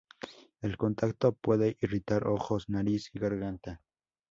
El contacto puede irritar ojos, nariz y garganta.